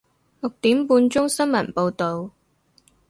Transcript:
六點半鐘新聞報道